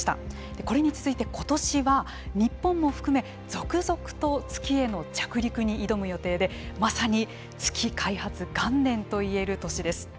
これに続いて今年は日本も含め続々と月への着陸に挑む予定でまさに月開発元年といえる年です。